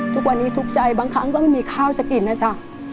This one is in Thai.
ทุกวันนี้ทุกข์ใจบางครั้งก็ไม่มีข้าวจะกินนะจ๊ะ